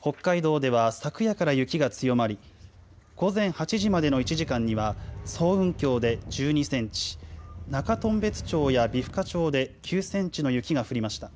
北海道では昨夜から雪が強まり午前８時までの１時間には層雲峡で１２センチ、中頓別町や美深町で９センチの雪が降りました。